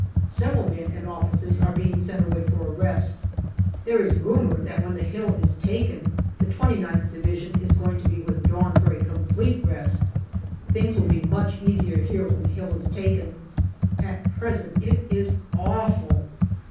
Several men and officers are being sent away for a rest. There is rumour that when the hill is taken the 2gth Division is going to be withdrawn for a complete rest. Things will be much easier here when the hill is taken. At present it is awful.